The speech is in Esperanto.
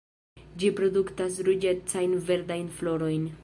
Ĝi produktas ruĝecajn verdajn florojn.